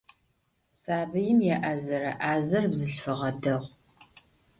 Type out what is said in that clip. Sabıim yê'ezere 'azer bzılhfığe değu.